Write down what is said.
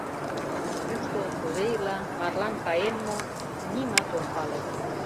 Кушто, кузе ила, марлан каен мо — нимат ом пале.